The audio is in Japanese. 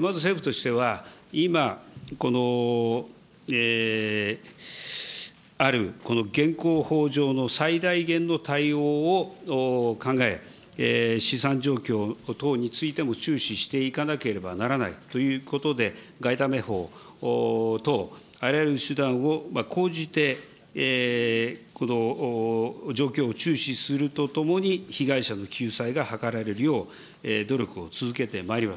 まず政府としては、今ある現行法上の最大限の対応を考え、資産状況等についても注視していかなければならないということで、外為法等、あらゆる手段を講じて、状況を注視するとともに、被害者の救済がはかられるよう、努力を続けてまいります。